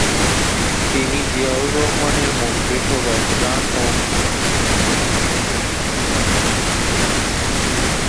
তিনি জিয়াউর রহমানের মন্ত্রিসভায় ত্রাণ ও পুনর্বাসন উপমন্ত্রী হিসেবে দায়িত্ব পালন করেন।